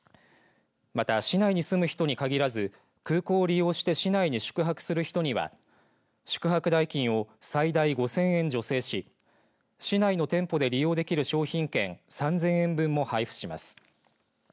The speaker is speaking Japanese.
また、市内に住む人にかぎらず空港を利用して市内に宿泊する人には宿泊代金を最大５０００円助成し市内の店舗で利用できる商品券３０００円分も配布します。